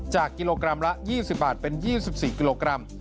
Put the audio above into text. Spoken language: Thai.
กิโลกรัมละ๒๐บาทเป็น๒๔กิโลกรัม